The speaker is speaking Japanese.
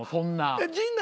陣内